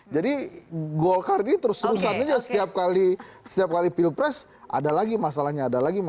jadi golkar ini terus terusan aja setiap kali pilpres ada lagi masalahnya